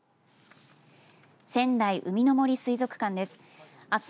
仙台うみの杜水族館です。